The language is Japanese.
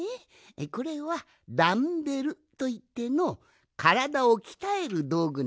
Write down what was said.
これはダンベルといってのからだをきたえるどうぐなんじゃ。